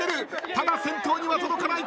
ただ先頭には届かないか！？